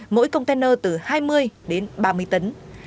mỗi container từ hai mươi ba mươi tấn